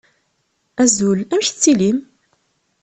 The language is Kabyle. Azul, amek tettilim?